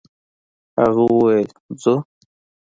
هغه وويل: «ځو!»